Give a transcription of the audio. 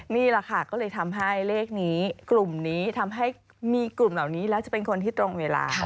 นี่แหละค่ะก็เลยทำให้เลขนี้กลุ่มนี้ทำให้มีกลุ่มเหล่านี้แล้วจะเป็นคนที่ตรงเวลา